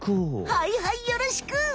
はいはいよろしく。